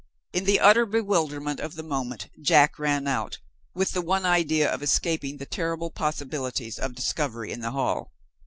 In the utter bewilderment of the moment, Jack ran out, with the one idea of escaping the terrible possibilities of discovery in the hall.